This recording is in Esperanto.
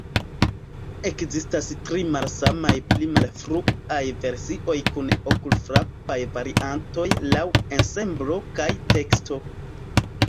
Ekzistas tri malsamaj pli malfruaj versioj kun okulfrapaj variantoj laŭ ensemblo kaj teksto.